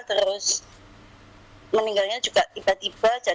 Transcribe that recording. terus meninggalnya juga tiba tiba